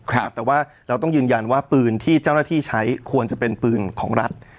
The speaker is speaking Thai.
แต่ว่าเราต้องยืนยันว่าปืนที่เจ้าหน้าที่ใช้ควรจะเป็นปืนของรัฐ